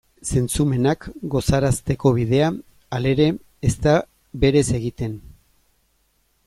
Zentzumenak gozarazteko bidea, halere, ez da berez egiten.